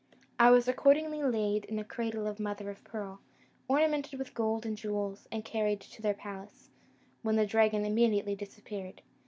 I was accordingly laid in a cradle of mother o' pearl, ornamented with gold and jewels, and carried to their palace, when the dragon immediately disappeared.